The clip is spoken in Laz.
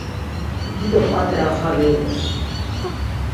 Dido p̌at̆i ar xali uğut̆u.